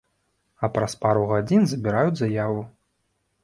А праз пару гадзін забіраюць заяву.